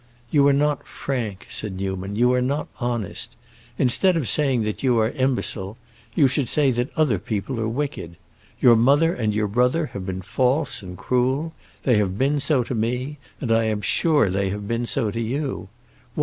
"You are not frank," said Newman; "you are not honest. Instead of saying that you are imbecile, you should say that other people are wicked. Your mother and your brother have been false and cruel; they have been so to me, and I am sure they have been so to you.